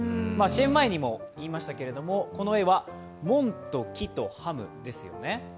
ＣＭ前にも言いましたけれども、答えは門と木とハムですよね。